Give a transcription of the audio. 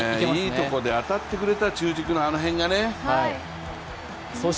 いいところで当たってくれた、中軸のあの辺がね。